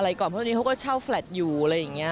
ก่อนเพราะตอนนี้เขาก็เช่าแลตอยู่อะไรอย่างนี้